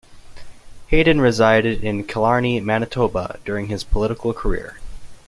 Hayden resided in Killarney, Manitoba during his political career.